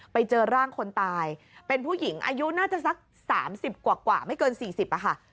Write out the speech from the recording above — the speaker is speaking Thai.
ไปเจอร่างคนตายเป็นผู้หญิงอายุน่าจะสัก๓๐กว่าไม่เกิน๔๐ค่ะ